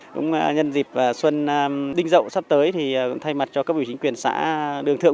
đúng là nhân dịp xuân đinh dậu sắp tới thì thay mặt cho các vị chính quyền xã đường thượng